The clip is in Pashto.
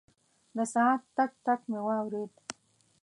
د ساعت ټک، ټک مې واورېد.